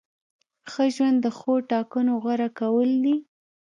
ښه ژوند د ښو ټاکنو غوره کول دي.